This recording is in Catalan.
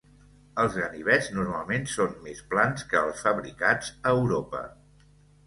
Els ganivets normalment són més plans que els fabricats a Europa.